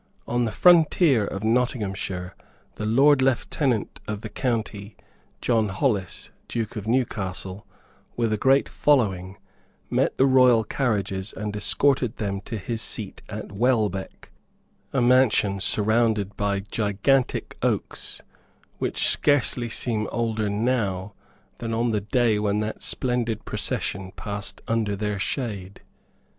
On the frontier of Nottinghamshire the Lord Lieutenant of the county, John Holles, Duke of Newcastle, with a great following, met the royal carriages and escorted them to his seat at Welbeck, a mansion surrounded by gigantic oaks which scarcely seem older now than on the day when that splendid procession passed under their shade.